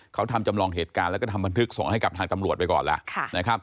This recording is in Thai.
เขาทำจำลองเหตุการณ์แล้วก็ทำบันทึกส่งให้กับทางตำรวจไปก่อนแล้วนะครับ